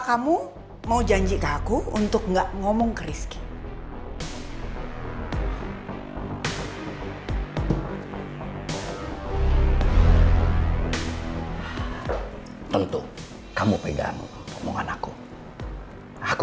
kan gue bisa denger berkali kali